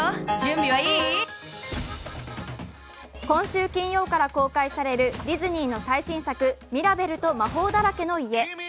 今週金曜から公開されるディズニーの最新作「ミラベルと魔法だらけの家」。